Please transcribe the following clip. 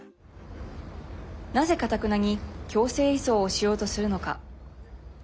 なぜ、かたくなに強制移送をしようとするのか。